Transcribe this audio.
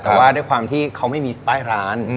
แต่ว่าด้วยความที่เขาไม่มีป้ายร้าน